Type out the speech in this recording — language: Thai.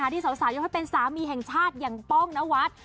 ที่สาวยกให้เป็นสามีแห่งชาติอย่างป้องนวัด